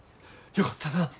よかったなぁ。